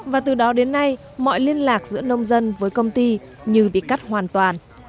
và từ đó đến nay mọi liên lạc giữa nông dân với công ty như bị cắt hoàn toàn